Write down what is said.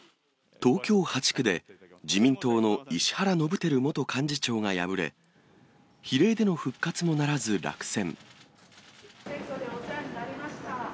東京８区で、自民党の石原伸晃元幹事長が敗れ、比例での復活もならず落選。